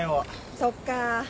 そっか。